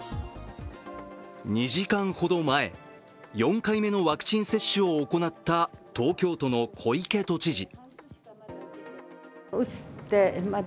２時間ほど前、４回目のワクチン接種を行った東京都の小池都知事。